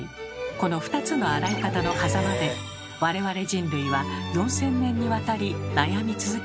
この２つの洗い方のはざまで我々人類は４，０００年にわたり悩み続けてきたのです。